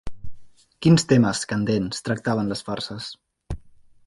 Quins temes candents tractaven les farses?